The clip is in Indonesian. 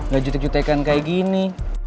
gak jutek jutekan kayak gini